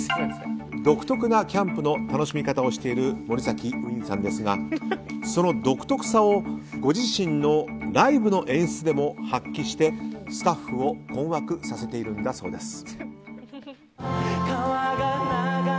独特なキャンプの楽しみ方をしている森崎ウィンさんですがその独特さをご自身のライブの演出でも発揮してスタッフを困惑させているんだそうです。